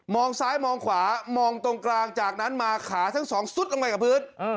ซ้ายมองขวามองตรงกลางจากนั้นมาขาทั้งสองซุดลงไปกับพื้น